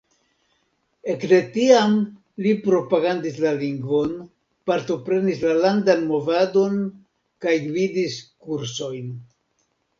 Ekde tiam li propagandis la lingvon, partoprenis la landan movadon kaj gvidis kursojn.